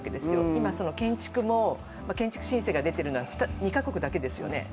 今建築申請が出ているのは２か国ですよね。